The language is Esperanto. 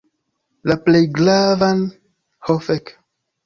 La plej gravan. Ho fek.